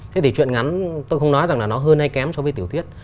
thế thì chuyện ngắn tôi không nói rằng là nó hơn hay kém so với tiểu tiết